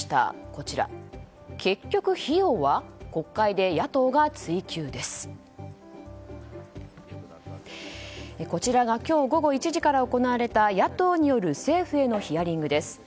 こちらが今日午後１時から行われた野党による政府へのヒアリングです。